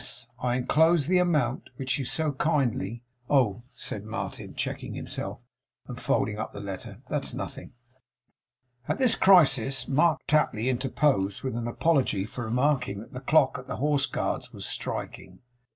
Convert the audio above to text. I enclose the amount which you so kindly" Oh,' said Martin, checking himself, and folding up the letter, 'that's nothing!' At this crisis Mark Tapley interposed, with an apology for remarking that the clock at the Horse Guards was striking.